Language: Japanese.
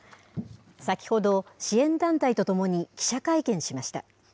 先ほど、支援団体と共に記者会見しました。